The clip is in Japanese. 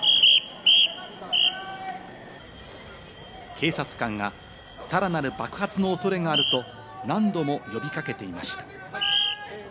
警察官がさらなる爆発の恐れがあると何度も呼び掛けていました。